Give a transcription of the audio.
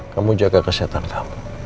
kamu jaga kesehatan kamu